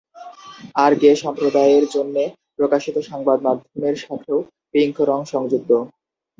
আর gay সম্প্রদায়ের জন্যে প্রকাশিত সংবাদমাধ্যমের সাথেও পিঙ্ক রং সংযুক্ত।